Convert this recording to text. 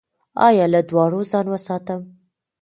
ایا له دوړو ځان وساتم؟